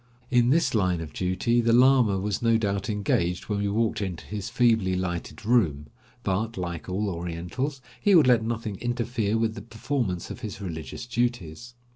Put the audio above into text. In this line of duty the lama was no doubt engaged when we walked into his feebly lighted room, but, like all Orientals, he would let nothing interfere with the performance of his religious duties.